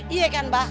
iya kan mbah